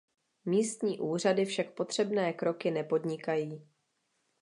Místní úřady však potřebné kroky nepodnikají .